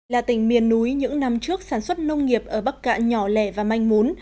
là tỉnh miền núi những năm trước sản xuất nông nghiệp ở bắc cạn nhỏ lẻ và manh mún